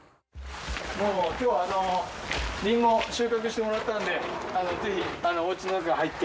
今日はリンゴを収穫してもらったんでぜひお家の中入って。